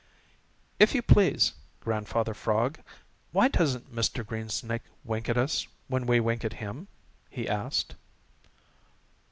"If you please, Grandfather Frog, why doesn't Mr. Greensnake wink at us when we wink at him?" he asked.